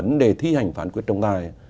thì khả năng thi hành phán quyết trong tai